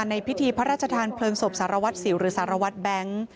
ในพิธีพระราชทานเพลิงศพสหรัฐสิวหรือสหรัฐบัง